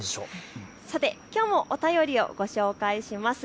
さて、きょうもお便りをご紹介します。